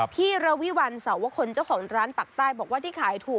พี่ระวิวัลสาวคนเจ้าของร้านปักใต้บอกว่าที่ขายถูก